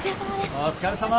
お疲れさま！